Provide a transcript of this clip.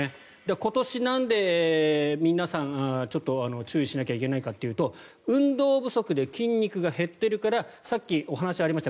今年、なんで皆さんちょっと注意しなければいけないかというと運動不足で筋肉が減っているからさっきお話がありました